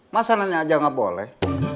masa nanya aja nggak boleh